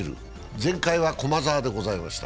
前回は駒澤でございました。